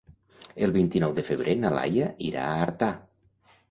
El vint-i-nou de febrer na Laia irà a Artà.